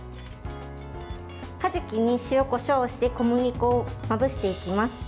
かじきに塩、こしょうをして小麦粉をまぶしていきます。